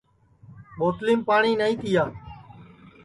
بوتلِیم پاٹؔی نائی تِیا